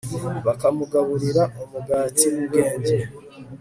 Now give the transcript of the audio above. bukamugaburira umugati w'ubwenge